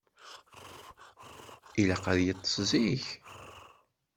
Ilaq ad yeṭṭes zik.